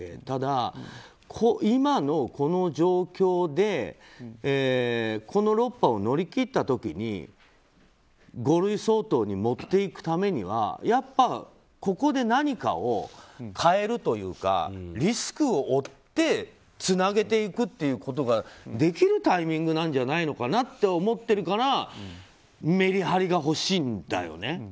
ただ、今のこの状況でこの６波を乗り切った時に五類相当に持っていくためにはやっぱここで何かを変えるというかリスクを負ってつなげていくということができるタイミングなんじゃないかと思っているからメリハリが欲しいんだよね